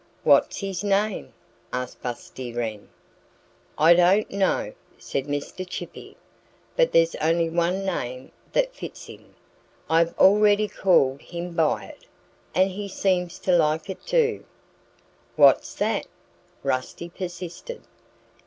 "What's his name?" asked Busty Wren. "I don't know," said Mr. Chippy. "But there's only one name that fits him. I've already called him by it. And he seemed to like it, too." "What's that?" Rusty persisted.